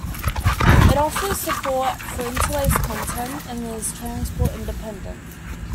It offers support for interlaced content and is transport independent.